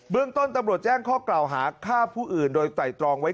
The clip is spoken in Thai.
เรื่องต้นตำรวจแจ้งข้อกล่าวหาฆ่าผู้อื่นโดยไตรตรองไว้